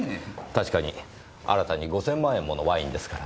確かに新たに５０００万円ものワインですからねぇ。